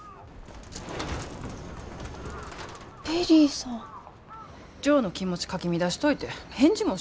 ジョーの気持ちかき乱しといて返事